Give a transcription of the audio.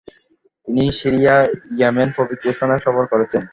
তিনি Syria, Yemen প্রভৃতি স্থানে সফর করেছেন।